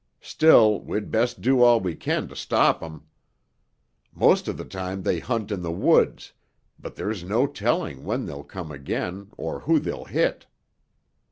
Still, we'd best do all we can to stop 'em. Most of the time they hunt in the woods, but there's no telling when they'll come again or who they'll hit."